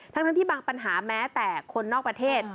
ทั้งที่บางปัญหาแม้แต่คนนอกประเทศ